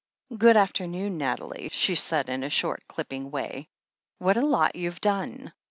"Good afternoon, Nathalie," she said in a short, clipping way. "What a lot you've done